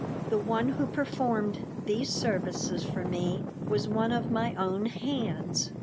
The one who performed these services for me was one of my own "hands."